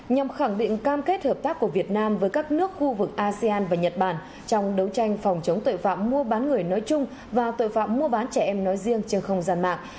nhằm khẳng định cam kết hợp tác của việt nam với các nước khu vực asean và nhật bản trong đấu tranh phòng chống tội phạm mua bán người nói chung và tội phạm mua bán trẻ em nói riêng trên không gian mạng